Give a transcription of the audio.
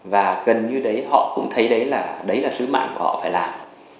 và gần như đấy họ cũng thấy đấy là sứ mạng của họ phải làm